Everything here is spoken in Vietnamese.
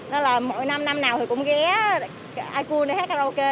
nên là mỗi năm năm nào thì cũng ghé ikun để hát karaoke